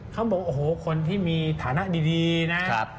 เขาบอกโอ้โหคนที่มีฐานะดีนะ